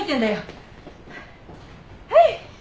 はい。